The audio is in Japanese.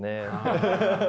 ハハハハハ。